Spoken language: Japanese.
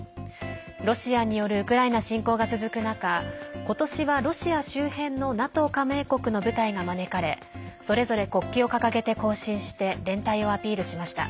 ロシアによるウクライナ侵攻が続く中ことしはロシア周辺のＮＡＴＯ加盟国の部隊が招かれそれぞれ国旗を掲げて行進して連帯をアピールしました。